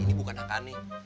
ini bukan angka ani